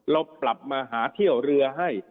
เราปรับมาหาเที่ยวเรือให้